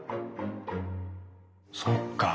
そっか。